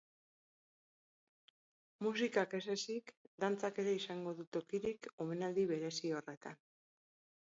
Musikak ez ezik, dantzak ere izango du tokirik omenaldi berezi horretan.